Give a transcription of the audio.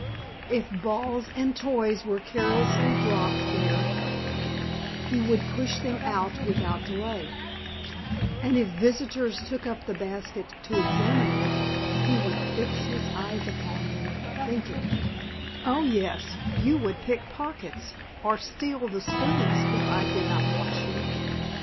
If balls and toys were carelessly dropped there he would push them out without delay, and if visitors took up the basket to examine it, he would fix his eyes upon them, thinking, "O yes, you would pick pockets or steal the spoons if I did not watch you."